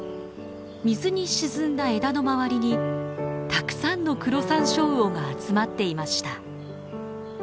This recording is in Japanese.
水に沈んだ枝の周りにたくさんのクロサンショウウオが集まっていました。